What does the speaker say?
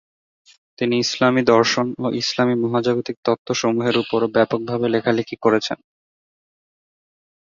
তিনি ইসলামী দর্শন ও ইসলামী মহাজাগতিক তত্ত্ব সমূহের উপর ব্যাপক ভাবে লেখালেখি করেছেন।